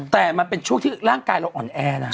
แต่มันเป็นช่วงที่ร่างกายเราอ่อนแอนะ